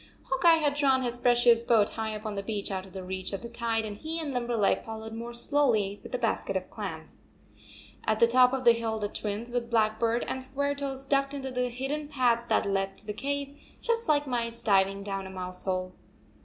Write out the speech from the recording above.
Hawk Eye had drawn his precious boat high up on the beach out of reach of the tide, and he and Limberleg followed more slowly with the basket of clams. At the top of the hill, the Twins, with Blackbird and Squaretoes, ducked into the hidden path that led to the cave, just like mice diving down a mouse hole.